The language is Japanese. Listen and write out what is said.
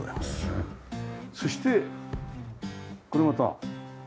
そしてこれまた。